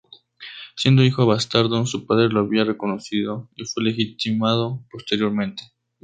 Siendo hijo bastardo, su padre lo había reconocido, y fue legitimado posteriormente.